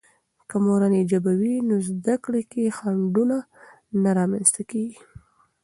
که مورنۍ ژبه وي، نو زده کړې کې خنډونه نه رامنځته کېږي.